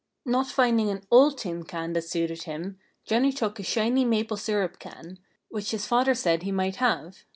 Not finding an old tin can that suited him, Johnnie took a shiny maple syrup can, which his father said he might have.